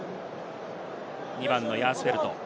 ２番のヤースフェルト。